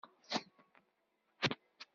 Berrik ul n Ḥmed.